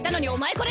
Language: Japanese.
これ